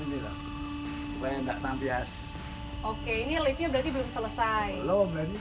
ini loh supaya enggak nambias oke ini live nya berarti belum selesai lo